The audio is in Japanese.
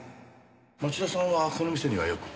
町田さんはこの店にはよく？